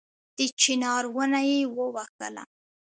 د چينار ونه يې ووهله